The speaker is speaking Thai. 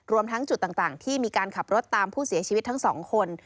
ทั้งจุดต่างที่มีการขับรถตามผู้เสียชีวิตทั้งสองคน